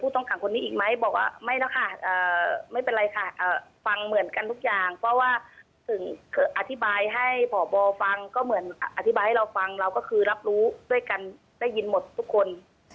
อธิบายให้เราฟังก็คือเรารับรู้ด้วยกันได้ยินหมดทุกคน